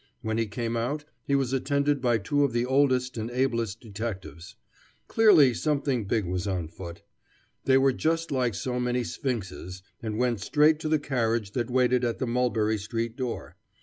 When he came out, he was attended by two of the oldest and ablest detectives. Clearly something big was on foot. They were just like so many sphinxes, and went straight to the carriage that waited at the Mulberry Street door.